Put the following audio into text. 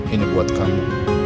ini buat kamu